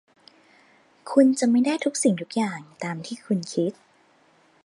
คุณจะไม่ได้ทุกสิ่งทุกอย่างตามที่คุณคิด